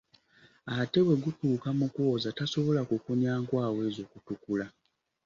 Ate bwe gutuuka mu kwoza tasobola kukunya nkwawa ezo kutukula.